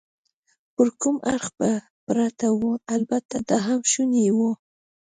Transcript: پر کوم اړخ به پرته وه؟ البته دا هم شونې وه.